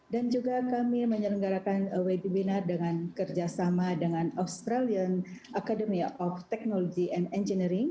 dan juga kami menyelenggarakan webinar dengan kerjasama dengan australian academy of technology and engineering